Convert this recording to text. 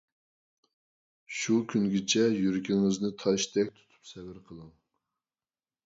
شۇ كۈنگىچە يۈرىكىڭىزنى تاشتەك تۇتۇپ سەۋر قىلىڭ!